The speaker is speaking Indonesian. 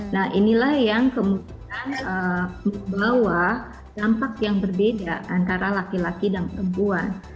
nah inilah yang kemudian membawa dampak yang berbeda antara laki laki dan perempuan